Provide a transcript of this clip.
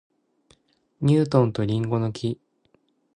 ニュートンと林檎の木